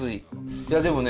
いやでもね